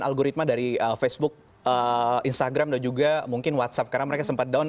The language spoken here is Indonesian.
algoritma dari facebook instagram dan juga mungkin whatsapp karena mereka sempat down